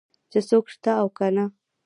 چې څوک شته او که نه.